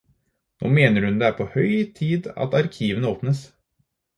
Nå mener hun det er på høy tid at arkivene åpnes.